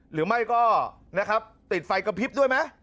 หรือไม่ก็นะครับติดไฟกระพริบด้วยไหม